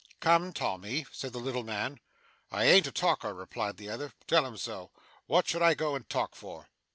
'Come, Tommy,' said the little man. 'I an't a talker,' replied the other. 'Tell him so. What should I go and talk for?